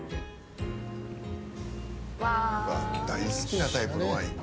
大好きなタイプのワイン。